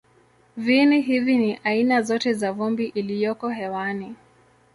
Viini hivi ni aina zote za vumbi iliyoko hewani.